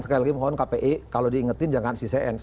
sekali lagi mohon kpi kalau diingetin jangan ccn